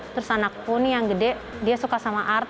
terus anakku nih yang gede dia suka sama art